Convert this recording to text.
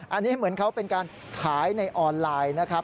อันนี้เหมือนเขาเป็นการขายในออนไลน์นะครับ